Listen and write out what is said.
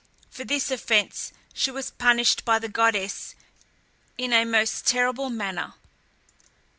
For this offence she was punished by the goddess in a most terrible manner.